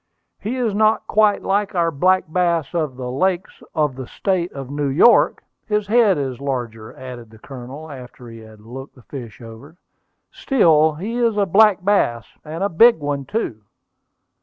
"He is not quite like our black bass of the lakes of the State of New York; his head is larger," added the Colonel, after he had looked the fish over. "Still he is a black bass, and a big one too."